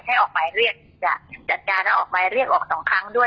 ออกหมายเรียกจะจัดการแล้วออกหมายเรียกออกสองครั้งด้วย